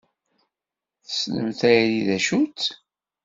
Tessnem tayri d acu-tt?